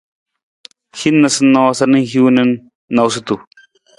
Hin noosanoosa na hiwung na noosunonosutu.